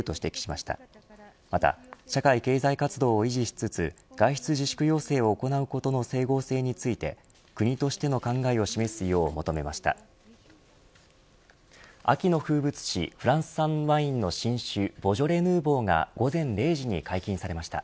また、社会経済活動を維持しつつ外出自粛要請を行うことの整合性について国としての考えを示すよう求めました。